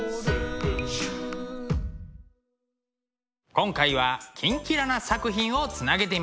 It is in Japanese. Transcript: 今回は「キンキラ★」な作品をつなげてみました。